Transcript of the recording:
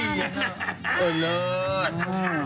ใช่ค่ะมีมั้ย